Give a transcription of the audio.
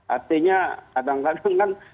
artinya kadang kadang kan